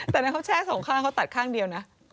แต่นั่นเขาแช่สองข้างเขาตัดข้างเดียวนะ